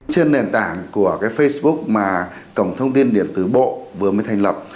trên nền tảng của facebook mà cổng thông tin điện tử bộ vừa mới thành lập